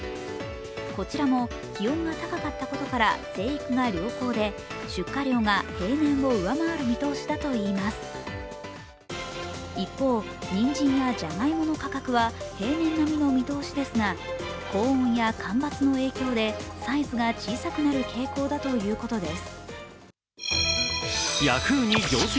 こちらも気温が高かったことから生育が良好で出荷量が平年を上回る見通しだということです一方、にんじんやじゃがいもの価格は平年並みの見通しですが高温や干ばつの影響でサイズが小さくなる傾向だということです。